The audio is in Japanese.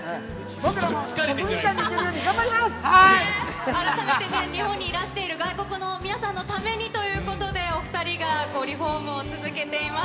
僕らも国技館に行けるように改めて、日本にいらしている外国の皆さんのためにということで、お２人がリフォームを続けています。